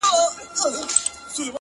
غټي سترگي شينكى خال د چا د ياد ـ